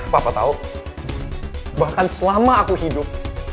papa tahu bahkan selama aku hidup